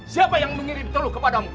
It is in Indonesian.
siapa yang mengirim telur kepadamu